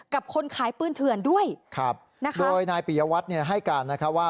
คนขายปืนเถื่อนด้วยครับนะคะโดยนายปียวัตรเนี่ยให้การนะคะว่า